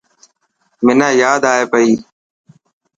منا ياد ائي پئي.